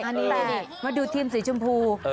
แต่มาดูทีมสีชมพู